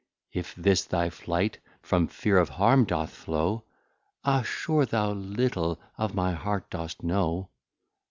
If this thy Flight, from fear of Harm doth flow, Ah, sure thou little of my Heart dost know.